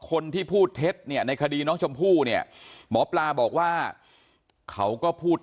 คนที่พูดเท็จเนี่ยในคดีน้องชมพู่เนี่ยหมอปลาบอกว่าเขาก็พูด